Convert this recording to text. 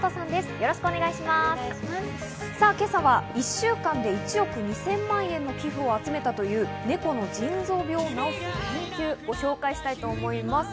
今朝は１週間で１億２０００万円の寄付を集めたというネコの腎臓病をなおす研究をご紹介します。